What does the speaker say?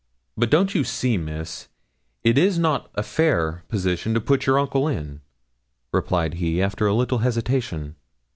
'But don't you see, Miss, it is not a fair position to put your uncle in,' replied he, after a little hesitation.